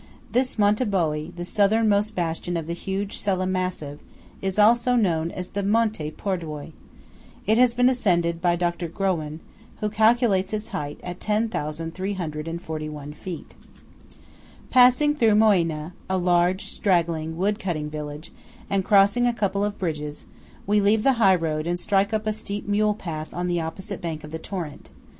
This Monte Boé, the southernmost bastion of the huge Sella Massive, is also known as the Monte Pordoi. It has been ascended by Dr. Grohmann, who calculates its height at 10,341 feet. Passing through Moena–a large, straggling, wood cutting village–and crossing a couple of bridges, we leave the high road and strike up a steep mule path on the opposite bank of the torrent.